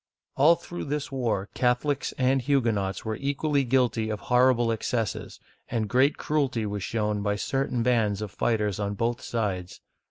All through this war Catholics and Huguenots were equally guilty of horrible excesses, and great cruelty was shown by certain bands of fighters on both sides.